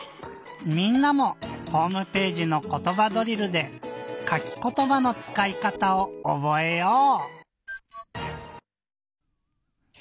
みんなもホームページの「ことばドリル」で「かきことば」のつかいかたをおぼえよう！